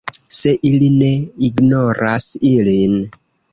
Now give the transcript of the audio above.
Se ili ne ignoras ilin.